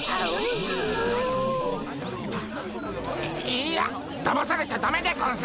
いいやだまされちゃだめでゴンス。